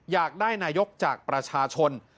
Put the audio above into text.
อยากได้นายกจากประชาชน